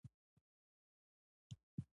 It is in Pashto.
احمد او علي بدلک وهلی دی.